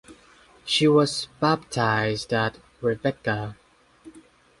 She was baptized as "Rebecca".